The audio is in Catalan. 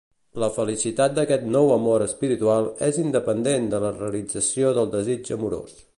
La felicitat d’aquest nou amor espiritual és independent de la realització del desig amorós.